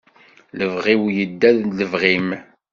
Lebɣi-w yedda d lebɣi-m.